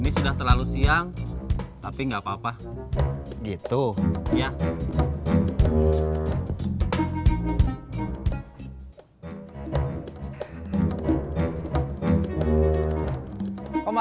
ini sudah terlalu siang tapi nggak apa apa